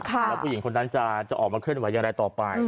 แล้วผู้หญิงคนนั้นจะออกมาเคลื่อนไหวอย่างไรต่อไป